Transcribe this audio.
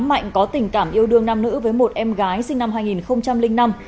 mạnh có tình cảm yêu đương nam nữ với một em gái sinh năm hai nghìn năm